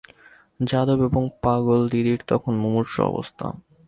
যাদব এবং পাগলদিদির তখন মুমূর্ষ অবস্থা।